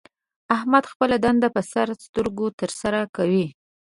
احمد خپله دنده په سر سترګو تر سره کوي.